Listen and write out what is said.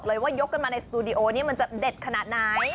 ว่ายกกันมาในสตูดิโอนี้มันจะเด็ดขนาดไหน